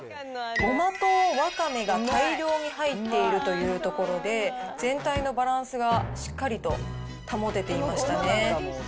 ごまとわかめが大量に入っているというところで、全体のバランスがしっかりと保てていましたね。